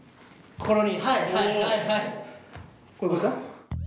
こういうこと？